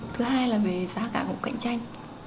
thứ hai là về giá cả cũng cạnh tranh